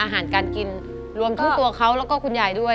อาหารการกินรวมทั้งตัวเขาแล้วก็คุณยายด้วย